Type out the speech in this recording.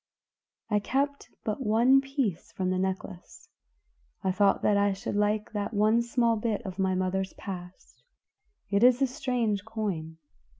"I kept but one piece from the necklace; I thought that I should like that one small bit of my mother's past. It is a strange coin."